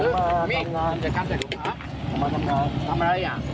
ทำไมทำเนี้ยทำไรเนี่ย